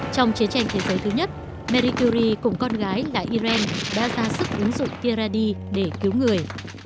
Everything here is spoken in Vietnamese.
trong chiến tranh thế giới thứ nhất marie curie cùng con gái là irene đã ra sức ứng dụng tia radix để cứu người